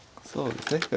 そうですね